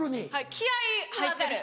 気合入ってる人。